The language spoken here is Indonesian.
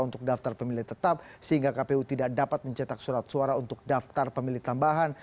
untuk daftar pemilih tetap sehingga kpu tidak dapat mencetak surat suara untuk daftar pemilih tambahan